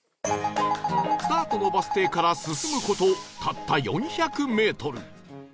スタートのバス停から進む事たった４００メートル